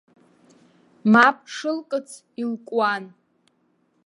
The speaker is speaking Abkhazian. Мап шылкыц илкуан.